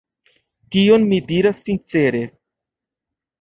Tion mi diras sincere.